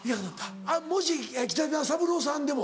もし北島三郎さんでも？